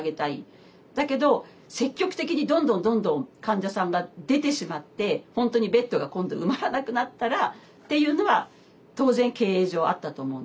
だけど積極的にどんどんどんどん患者さんが出てしまって本当にベッドが今度埋まらなくなったらっていうのは当然経営上あったと思うんですよね。